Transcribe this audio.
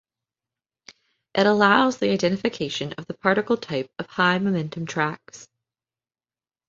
It allows the identification of the particle type of high-momentum tracks.